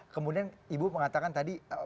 kemudian ibu mengatakan tadi